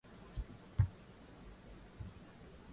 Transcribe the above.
nyundo zilizokuwa zikitumika kutengenezea zana zingine